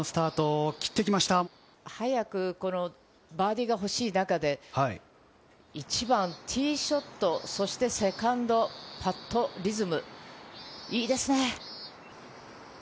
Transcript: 早くバーディーがほしい中で、１番ティーショット、そしてセカンド、パット、リズム、いいですね。